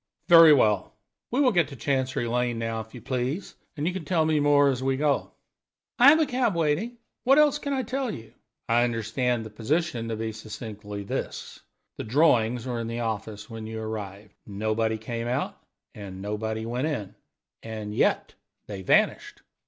"Very well; we will get to Chancery Lane now, if you please, and you can tell me more as we go." "I have a cab waiting. What else can I tell you?" "I understand the position to be succinctly this: The drawings were in the office when you arrived. Nobody came out, and nobody went in; and yet they vanished.